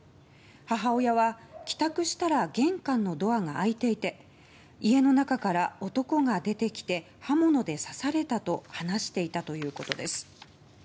母親は帰宅したら玄関のドアが開いていて家の中から男が出てきて刃物で刺されたと話していたということです。